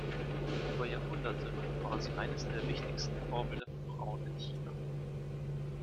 Über Jahrhunderte war sie eines der wichtigsten Vorbilder für Frauen in China.